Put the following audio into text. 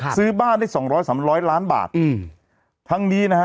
ซื้อบ้านได้สองร้อยสามร้อยล้านบาทอืมทั้งนี้นะฮะ